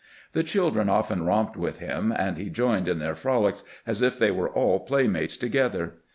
The children often romped with him, and he joined in their frolics as if they were all playmates together.